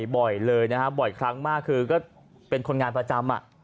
บ่อยเลยนะฮะบ่อยครั้งมากคือก็เป็นคนงานประจำ